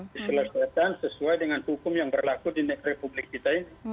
diselesaikan sesuai dengan hukum yang berlaku di republik kita ini